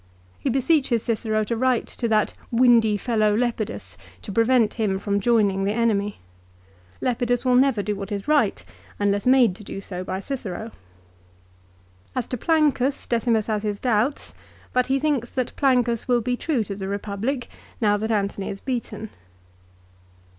He beseeches Cicero to write to that " windy fellow Lepidus," to prevent him from joining the enemy. Lepidus will never do what is right unless made to do so by Cicero. As to Plancus Decimus has his doubts, but he thinks that Plancus will be true to the Eepublic now that Antony is beaten.